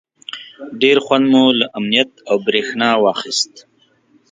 ډېر خوند مو له امنیت او برېښنا واخیست.